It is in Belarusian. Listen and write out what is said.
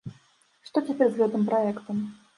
Што цяпер з гэтым праектам?